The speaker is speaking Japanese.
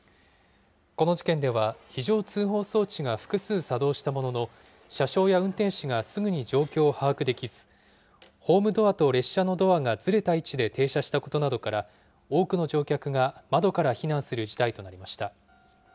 この事件では、非常通報装置が複数作動したものの、車掌や運転士がすぐに状況を把握できず、ホームドアと列車のドアがずれた位置で停車したことなどから、多くの乗客が窓から避難する事態となりました。